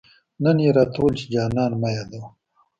نن يې راته وويل، چي جانان مه يادوه